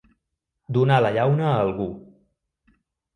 Donar la llauna a algú.